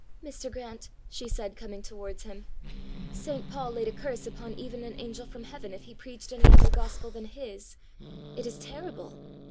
"Mr. Grant," she said, coming towards him, "St. Paul laid a curse upon even an angel from heaven if he preached any other gospel than his! It is terrible!"